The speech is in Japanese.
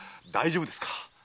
大丈夫ですか？